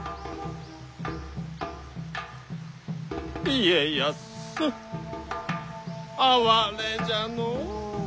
家康哀れじゃのう。